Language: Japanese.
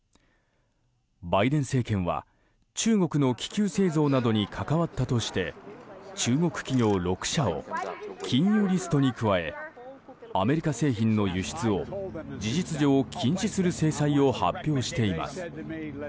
バイデン政権は中国の気球製造などに関わったとして中国企業６社を禁輸リストに加えアメリカ製品の輸出を事実上禁止する制裁を発表しています。